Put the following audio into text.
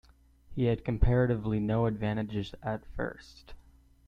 He had comparatively no advantages at first.